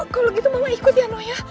kalau gitu mama ikut ya